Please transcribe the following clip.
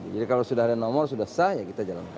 jadi kalau sudah ada nomor sudah sah ya kita jalankan